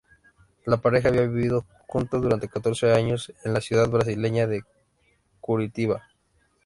La pareja había vivido junta durante catorce años, en la ciudad brasileña de Curitiba.